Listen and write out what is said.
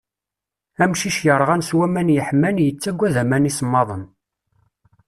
Amcic yerɣan s waman yeḥman, yettaggad aman isemmaḍen.